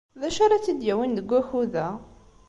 D acu ara tt-id-yawin deg wakud-a?